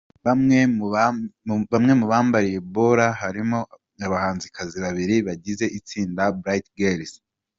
Bamwe mu bambariye Bora harimo abahanzikazi babiri bagize itsinda Bright Girls.